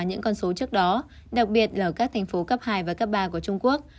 những con số trước đó đặc biệt là ở các thành phố cấp hai và cấp ba của trung quốc